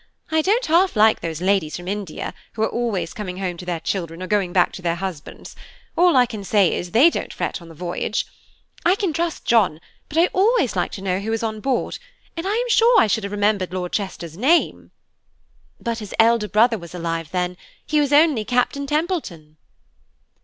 I don't half like those ladies from India, who are always coming home to their children, or going back to their husbands; all I can say is, they don't fret on the voyage. I can trust John, but I always like to know who is on board, and I am sure I should have remembered Lord Chester's name!" "But his elder brother was alive then–he was only Captain Templeton."